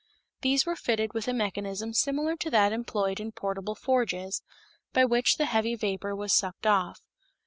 These were fitted with a mechanism similar to that employed in portable forges, by which the heavy vapor was sucked off.